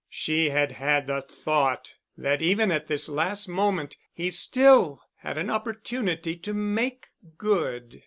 She had had a thought that even at this last moment he still had an opportunity to "make good."